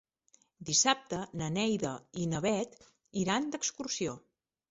Dissabte na Neida i na Bet iran d'excursió.